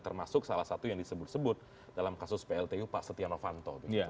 termasuk salah satu yang disebut sebut dalam kasus pltu pak setia novanto